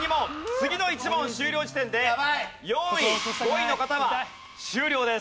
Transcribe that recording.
次の１問終了時点で４位５位の方は終了です。